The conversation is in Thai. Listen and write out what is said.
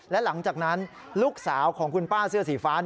และหลังจากนั้นลูกสาวของคุณป้าเสื้อสีฟ้า